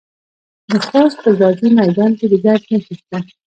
د خوست په ځاځي میدان کې د ګچ نښې شته.